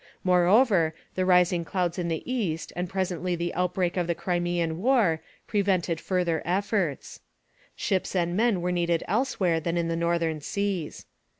Moreover, the rising clouds in the East and presently the outbreak of the Crimean War prevented further efforts. Ships and men were needed elsewhere than in the northern seas.